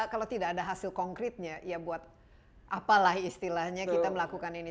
kalau tidak ada hasil konkretnya ya buat apalah istilahnya kita melakukan ini